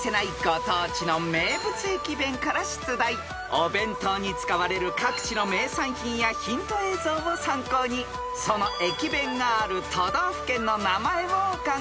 ［お弁当に使われる各地の名産品やヒント映像を参考にその駅弁がある都道府県の名前をお考えください］